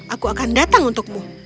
aku akan datang untukmu